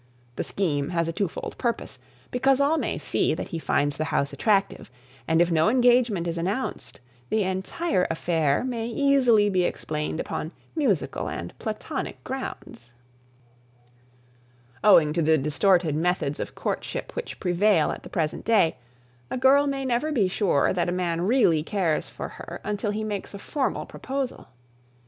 The scheme has a two fold purpose, because all may see that he finds the house attractive, and if no engagement is announced, the entire affair may easily be explained upon musical and platonic grounds. [Sidenote: A Formal Proposal] Owing to the distorted methods of courtship which prevail at the present day, a girl may never be sure that a man really cares for her until he makes a formal proposal.